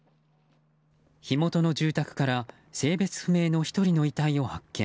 火元の住宅から性別不明の１人の遺体を発見。